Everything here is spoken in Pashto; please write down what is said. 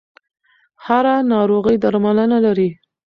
هره ناروغي درملنه لري.